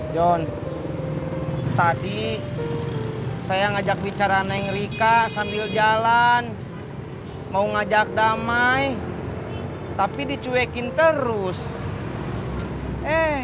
john tadi saya ngajak bicara naik rika sambil jalan mau ngajak damai tapi dicuekin terus eh